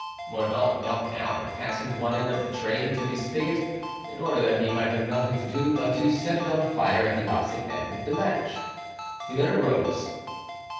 Mordaunt knelt down and fastened one end of the train to the spigot, in order that he might have nothing to do but to set it on fire at the opposite end with the match. He then arose.